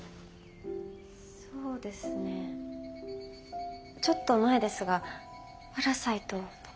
そうですねちょっと前ですが「パラサイト」とか。